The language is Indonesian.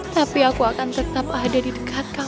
tapi aku akan tetap ada di dekat kamu